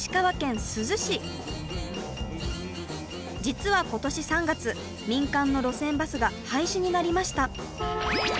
実は今年３月民間の路線バスが廃止になりました。